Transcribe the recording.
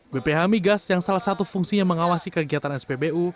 bph migas yang salah satu fungsinya mengawasi kegiatan spbu